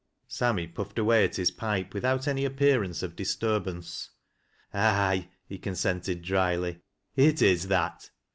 Sammy puffed away at his pipe, without any appear ance of disturbance. "Aye," he consented dryly, "it is, that.